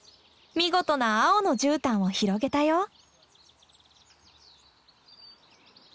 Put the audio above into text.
見事な青のじゅうたんを広げたよ。